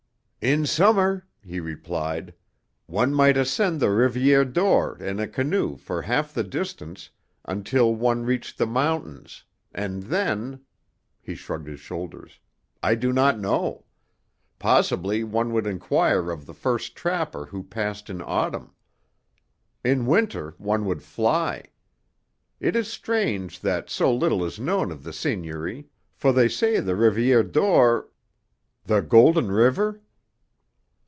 "In summer," he replied, "one might ascend the Rivière d'Or in a canoe for half the distance, until one reached the mountains, and then " He shrugged his shoulders. "I do not know. Possibly one would inquire of the first trapper who passed in autumn. In winter one would fly. It is strange that so little is known of the seigniory, for they say the Rivière d'Or " "The Golden River?"